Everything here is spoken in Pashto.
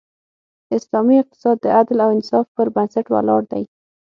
اسلامی اقتصاد د عدل او انصاف پر بنسټ ولاړ دی.